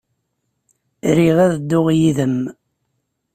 Riɣ ad dduɣ yid-m.